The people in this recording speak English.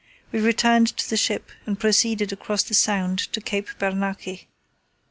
We returned to the ship and proceeded across the Sound to Cape Bernacchi.